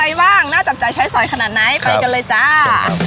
มีอะไรบ้างน่าจำใจใช้สอยขนาดไหนไปกันเลยจ้า